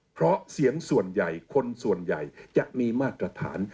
เพราะเสียงส่วนใหญ่คนส่วนใหญ่จะมีมาตรฐาน